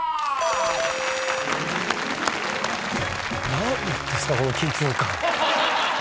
何ですかこの緊張感。